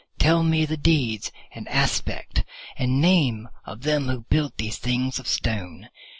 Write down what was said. Tell me the deeds and aspect and name of them who built these things of Stone."